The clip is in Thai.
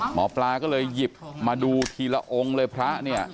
หมอปลาก็เลยหยิบมาดูทีละองค์เลยพระเนี่ย